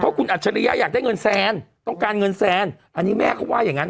คุณอัจฉริยะอยากได้เงินแซนต้องการเงินแซนอันนี้แม่เขาว่าอย่างนั้น